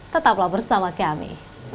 tetaplah bersama kami